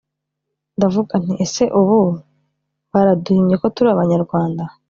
ndavuga nti ‘ese ubu baraduhimye ko turi Abanyarwanda